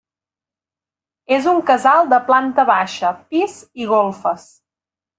És un casal de planta baixa, pis i golfes.